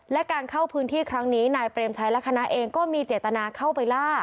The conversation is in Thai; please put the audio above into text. และการเข้าพื้นที่ครั้งนี้นายเปรมชัยและคณะเองก็มีเจตนาเข้าไปล่า